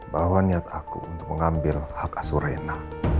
bahwa niat aku untuk mengambil hak asurena